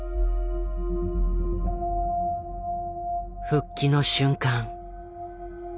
復帰の瞬間。